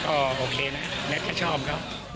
ก็ให้มีก็ไปดูตั้งเวลาดูหน่อย